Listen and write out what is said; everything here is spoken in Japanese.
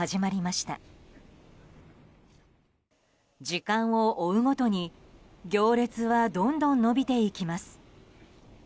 時間を追うごとに行列はどんどん伸びていきます。